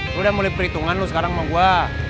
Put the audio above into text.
lo udah mulai perhitungan lo sekarang sama gue